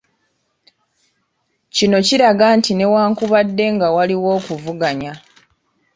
Kino kiraga nti newankubadde nga waliwo okuvuganya.